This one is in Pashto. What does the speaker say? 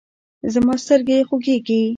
زما سترګې خوږیږي